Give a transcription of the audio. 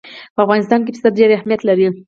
په افغانستان کې پسه ډېر اهمیت لري.